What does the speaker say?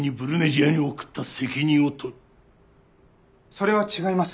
それは違います。